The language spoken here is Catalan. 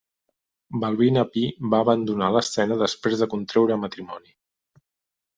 Balbina Pi va abandonar l'escena després de contreure matrimoni.